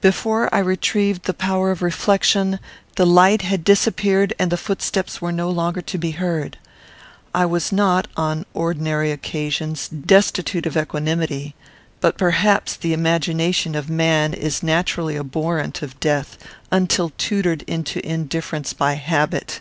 Before I retrieved the power of reflection, the light had disappeared and the footsteps were no longer to be heard. I was not, on ordinary occasions, destitute of equanimity; but perhaps the imagination of man is naturally abhorrent of death, until tutored into indifference by habit.